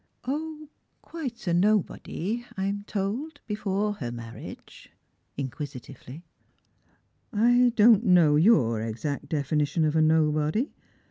" Quite a nobody, I've been told, before her marriage P " in quisitively. " I don't know your exact definition of a nobody.